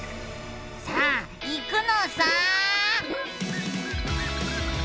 さあいくのさ！